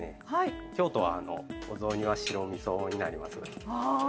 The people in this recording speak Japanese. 京都はお雑煮は白味噌になります。